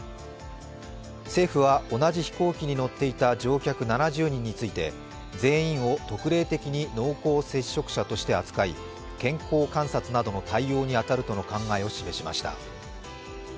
政府は同じ飛行機に乗っていた乗客７０人について全員を特例的に濃厚接触者として扱い健康観察などの対応に当たるとの考えを示しました。